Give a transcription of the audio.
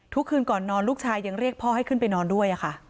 คืนก่อนนอนลูกชายยังเรียกพ่อให้ขึ้นไปนอนด้วยค่ะ